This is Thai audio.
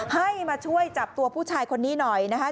ให้มาช่วยจับตัวผู้ชายคนนี้หน่อยนะคะ